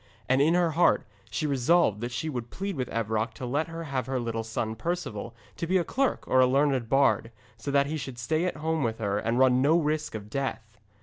And in her heart she resolved that she would plead with Evroc to let her have her little son Perceval to be a clerk or a learned bard, so that he should stay at home with her and run no risk of death.